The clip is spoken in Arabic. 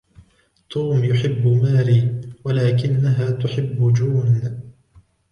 توم يحب ماري، ولكنها تحب جون.